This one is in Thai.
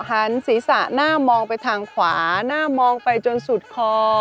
หันศีรษะหน้ามองไปทางขวาหน้ามองไปจนสุดคอ